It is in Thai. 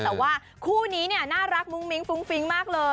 แต่ว่าคู่นี้เนี่ยน่ารักมุ้งมิ้งฟุ้งฟิ้งมากเลย